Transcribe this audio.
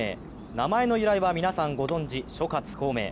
名前の由来は皆さんご存じ、諸葛孔明。